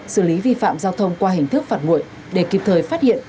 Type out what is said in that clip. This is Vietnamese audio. xử lý vi phạm giao thông qua hình thức phạt nguội để kịp thời phát hiện